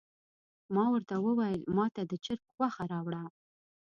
ما ورته وویل ماته د چرګ غوښه راوړه.